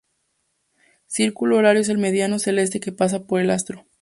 Círculo horario es el meridiano celeste que pasa por el astro.